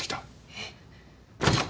えっ？